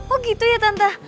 oh gitu ya tante